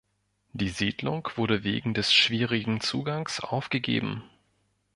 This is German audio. Die Siedlung wurde wegen des schwierigen Zugangs aufgegeben.